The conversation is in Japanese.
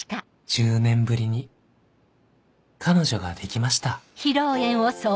１０年ぶりに彼女ができました